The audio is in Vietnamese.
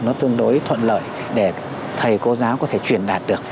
nó tương đối thuận lợi để thầy cô giáo có thể truyền đạt được